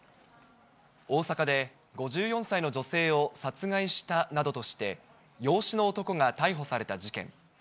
大阪で、５４歳の女性を殺害したなどとして、養子の男が逮捕された事件。